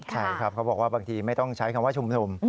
ใช่ครับเขาบอกว่าบางทีไม่ต้องใช้คำว่าชุมนุม